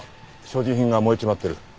所持品が燃えちまってる。